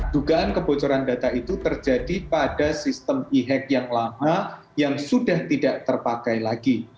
dugaan kebocoran data itu terjadi pada sistem e hack yang lama yang sudah tidak terpakai lagi